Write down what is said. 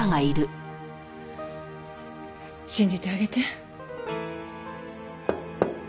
信じてあげて。